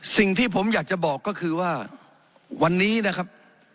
สิ่งที่ผมอยากจะบอกก็คือว่าวันนี้นะครับ